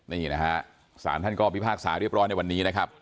นี่นะฮะศาลท่านก็พิพากษาเรียบร้อยในวันนี้นะครับ